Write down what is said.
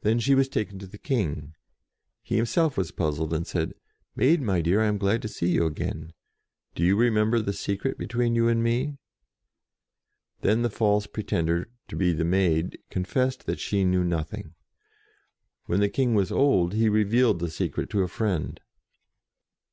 Then she was taken to the King. He himself was puzzled, and said, "Maid, my dear, I am glad to see you again. Do you re member the secret between you and me?" Then this false pretender to be the Maid confessed that she knew nothing. When the King was old, he revealed the secret to a friend.